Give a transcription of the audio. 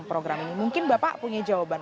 program ini mungkin bapak punya jawaban